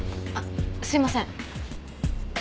あっすいません。